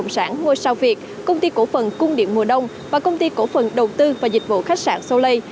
sau việc công ty cổ phần cung điện mùa đông và công ty cổ phần đầu tư và dịch vụ khách sạn sâu lây